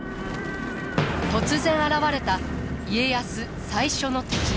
突然現れた家康最初の敵。